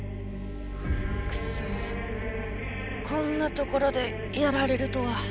くそっこんなところでやられるとは。